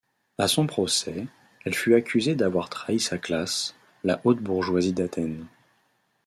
À son procès, elle fut accusée d'avoir trahi sa classe, la haute bourgeoisie d'Athènes.